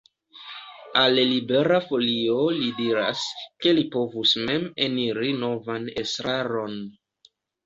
Al Libera Folio li diras, ke li povus mem eniri novan estraron.